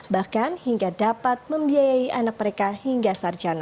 bahkan hingga dapat membiayai anak mereka hingga sarjana